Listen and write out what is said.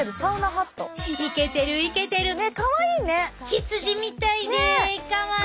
羊みたいでかわいい！